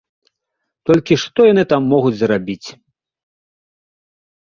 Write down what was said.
Толькі што яны там могуць зрабіць?